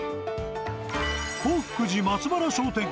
洪福寺松原商店街。